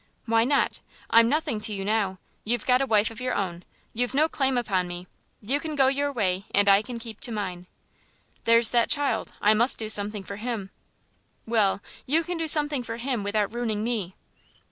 "Why not? I'm nothing to you now; you've got a wife of your own; you've no claim upon me; you can go your way and I can keep to mine." "There's that child. I must do something for him." "Well, you can do something for him without ruining me."